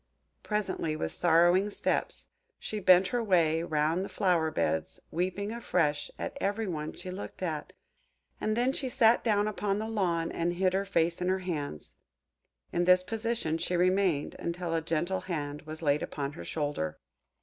Presently, with sorrowing steps, she bent her way round the flower beds, weeping afresh at every one she looked at; and then she sat down upon the lawn, and hid her face in her hands. In this position she remained, until a gentle hand was laid upon her shoulder.